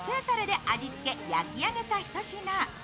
だれで味付け、焼き上げたひと品。